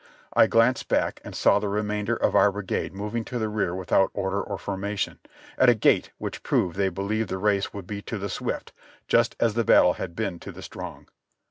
I glanced back and saw the remainder of our brigade moving to the rear without order or formation, at a gait which proved they beHeved the race would be to the swift, just as the battle had been to the strong.